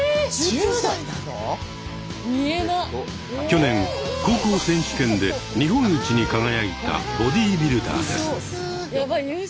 去年高校選手権で日本一に輝いたボディビルダーです。